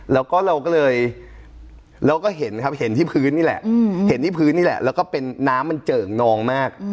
แล้วก็เราก็เลยเห็นที่พื้นนี่แหละแล้วก็เป็นน้ำมันเจิ่งนองมาก